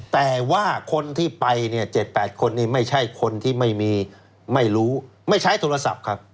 แต่ว่าคนที่ไปเนี่ย๗๘คนนี้ไม่ใช่คนที่ไม่มีไม่รู้ไม่ใช้โทรศัพท์ครับ